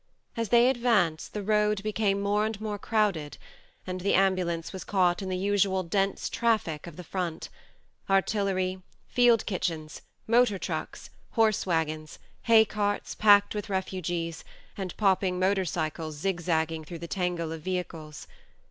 As they advanced the road became more and more crowded, and the ambulance was caught in the usual dense traffic of the front : artillery, field kitchens, motor trucks, horse wagons, hay carts packed with refugees, and popping motor cycles zigzagging through the tangle of vehicles.